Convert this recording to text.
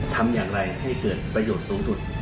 ทำอย่างไรให้เกิดประโยชน์สูงสุด